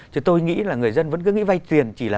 chứ tôi nghĩ là người dân vẫn cứ nghĩ vay tiền chỉ là